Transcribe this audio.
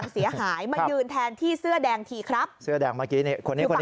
เสียหายมายืนแทนที่เสื้อแดงทีครับเสื้อแดงเมื่อกี้นี่คนนี้คนนี้